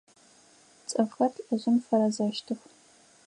Цӏыфхэр лӏыжъым фэрэзэщтых.